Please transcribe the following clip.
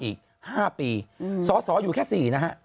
อีก๕ปีสอสออยู่แค่๔นะฮะ